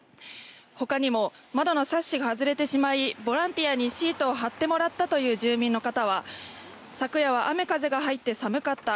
他にも窓のサッシが外れてしまいボランティアにシートを張ってもらったという住民の方は昨夜は雨風が入って寒かった。